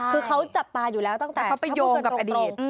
คือเขาจับตาอยู่แล้วตั้งแต่เขาพูดกันตรง